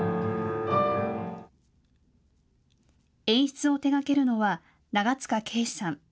演出を手がけるのは長塚圭史さん。